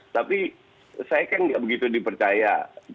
tapi saya kan nggak begitu dipercaya